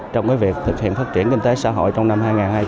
trong cái việc thực hiện phát triển kinh tế xã hội trong năm hai nghìn hai mươi